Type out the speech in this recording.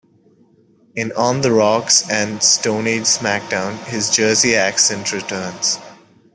In "On the Rocks" and "Stone-Age Smackdown", his Jersey accent returns.